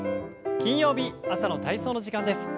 金曜日朝の体操の時間です。